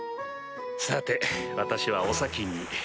さて私はお先に。